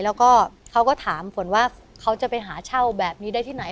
แล้วก็เขาก็ถามฝนว่าเขาจะไปหาเช่าแบบนี้ได้ที่ไหน